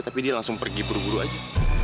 tapi dia langsung pergi buru buru aja